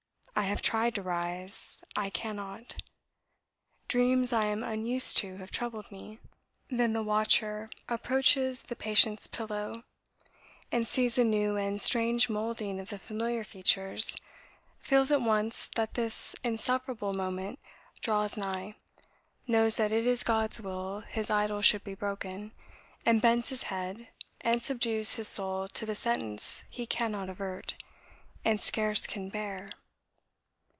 I have tried to rise. I cannot. Dreams I am unused to have troubled me.' "Then the watcher approaches the patient's pillow, and sees a new and strange moulding of the familiar features, feels at once that the insufferable moment draws nigh, knows that it is God's will his idol should be broken, and bends his head, and subdues his soul to the sentence he cannot avert, and scarce can bear.